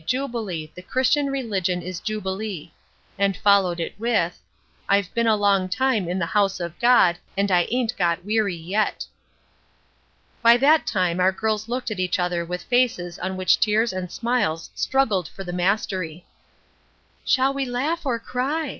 jubilee! the Christian religion is jubilee!" and followed it with: "I've been a long time in the house of God, and I ain't got weary yet." By that time our girls looked at each other with faces on which tears and smiles struggled for the mastery. "Shall we laugh, or cry?"